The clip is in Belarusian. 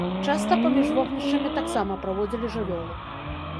Часта паміж вогнішчамі таксама праводзілі жывёлу.